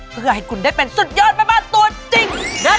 เพื่อให้ทุกคนเป็นอย่างสุดยอดสุดยอดใบบ้านตัวจริง